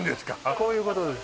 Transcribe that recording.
こういうことです